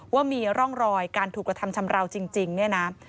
ว่ามีร่องรอยการถูกกระทำชำราวจริงเนี่ยนะ